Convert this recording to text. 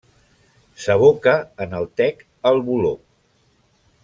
S'aboca en el Tec al Voló.